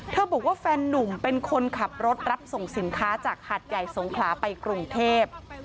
บอกว่าแฟนนุ่มเป็นคนขับรถรับส่งสินค้าจากหัดใหญ่สงขลาไปกรุงเทพ